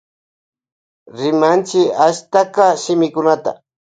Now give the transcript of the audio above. Rimanchi achka shimikunata.